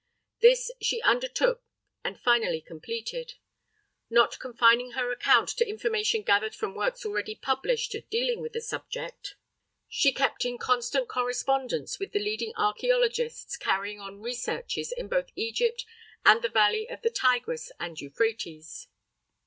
This she undertook and finally completed. Not confining her account to information gathered from works already published dealing with the subject, she kept in constant correspondence with the leading archæologists carrying on researches in both Egypt and the valley of the Tigris and Euphrates.